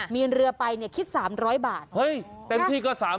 มีเรือไปเนี่ยคิด๓๐๐บาทเฮ้ยเต็มที่ก็๓๐๐